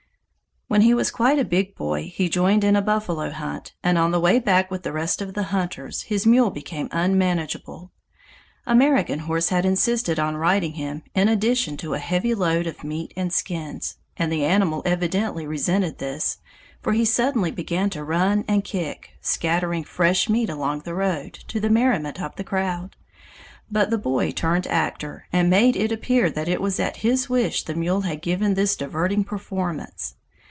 When he was quite a big boy, he joined in a buffalo hunt, and on the way back with the rest of the hunters his mule became unmanageable. American Horse had insisted on riding him in addition to a heavy load of meat and skins, and the animal evidently resented this, for he suddenly began to run and kick, scattering fresh meat along the road, to the merriment of the crowd. But the boy turned actor, and made it appear that it was at his wish the mule had given this diverting performance.